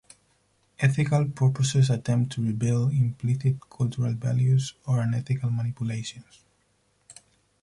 Ethical purposes attempt to reveal implicit cultural values or unethical manipulations.